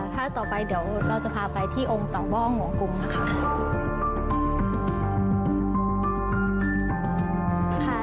ถ้าต่อไปเดี๋ยวเราจะพาไปที่องค์เตาบ้องหัวกุมนะคะ